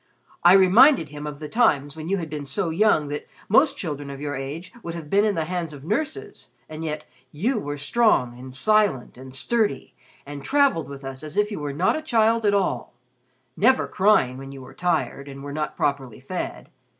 I reminded him of the times when you had been so young that most children of your age would have been in the hands of nurses, and yet you were strong and silent and sturdy and traveled with us as if you were not a child at all never crying when you were tired and were not properly fed.